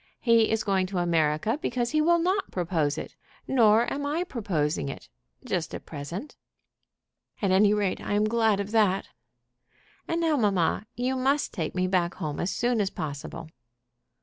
He is going to America because he will not propose it. Nor am I proposing it, just at present." "At any rate I am glad of that." "And now, mamma, you must take me back home as soon as possible."